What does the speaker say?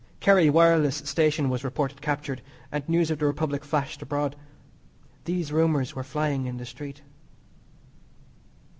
Kerry wireless station was reported captured, and news of the Republic flashed abroad. These rumours were flying in the street.